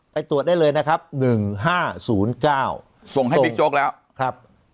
ไปตรวจได้เลยนะครับหนึ่งห้าศูนย์เก้าส่งให้วิทย์โจ๊กแล้วครับ